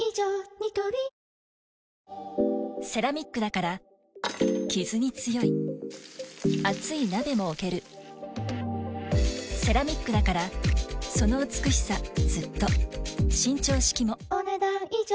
ニトリセラミックだからキズに強い熱い鍋も置けるセラミックだからその美しさずっと伸長式もお、ねだん以上。